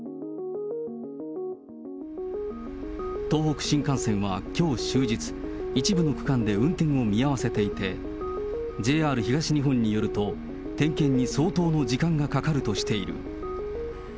東北新幹線はきょう終日、一部の区間で運転を見合わせていて、ＪＲ東日本によると、点検に相当の時間がかかるとしている。